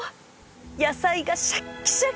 野菜がシャッキシャキ！